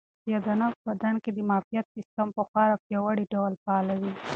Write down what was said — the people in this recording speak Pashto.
سیاه دانه په بدن کې د معافیت سیسټم په خورا پیاوړي ډول فعالوي.